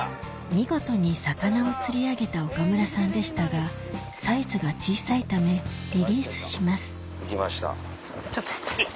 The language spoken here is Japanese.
見事に魚を釣り上げた岡村さんでしたがサイズが小さいためリリースします行きました。